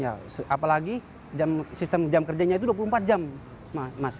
apalagi sistem jam kerjanya itu dua puluh empat jam mas